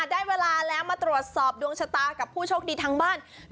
ได้เวลาแล้วมาตรวจสอบดวงชะตากับผู้โชคดีทางบ้าน